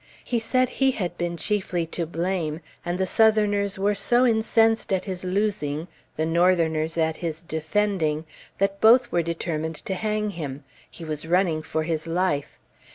He said he had been chiefly to blame, and the Southerners were so incensed at his losing, the Northerners at his defending, that both were determined to hang him; he was running for his life.